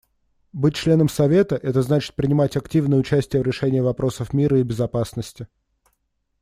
Быть членом Совета — это значит принимать активное участие в решении вопросов мира и безопасности.